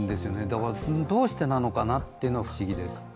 だから、どうしてなのかなというのが不思議です。